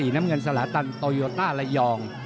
น้ำเงินสลาตันโตโยต้าระยอง